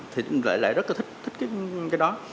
thì lại rất là thích cái đó